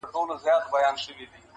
ما ته شجره یې د نژاد او نصب مه راوړی,